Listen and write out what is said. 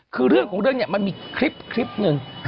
คือเรื่องของเรื่องนี้มันมีคลิปหนึ่ง